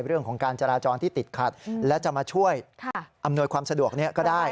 เรื่องของการจราจรที่ติดขัดและจะมาช่วยอำนวยความสะดวกนี้ก็ได้